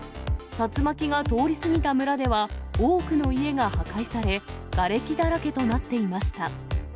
竜巻が通り過ぎた村では、多くの家が破壊され、がれきだらけとなっていました。